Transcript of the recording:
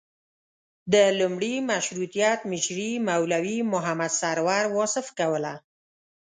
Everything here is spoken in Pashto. د لومړي مشروطیت مشري مولوي محمد سرور واصف کوله.